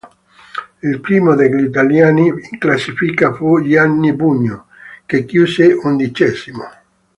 Il primo degli italiani in classifica fu Gianni Bugno, che chiuse undicesimo.